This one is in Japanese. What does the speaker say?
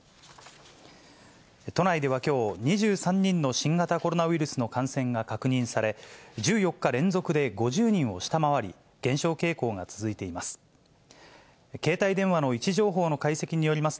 都内ではきょう、２３人の新型コロナウイルスの感染が確認され、１４日連続で５０人を下回り、減少傾向が続いています。